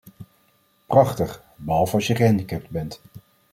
Prachtig, behalve als je gehandicapt bent.